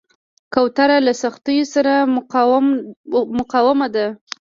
کوتره له سختیو سره مقاوم ده.